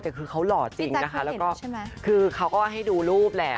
แต่คือเขาหล่อจริงนะคะแล้วก็คือเขาก็ให้ดูรูปแหละ